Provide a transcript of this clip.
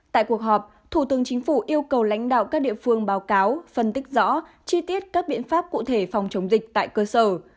tại cuộc họp thủ tướng chính phủ yêu cầu lãnh đạo các địa phương báo cáo phân tích rõ chi tiết các biện pháp cụ thể phòng chống dịch tại cơ sở